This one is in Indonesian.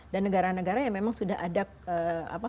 dan negara negara yang memang sudah ada